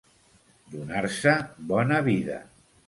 Donar-se bona vida.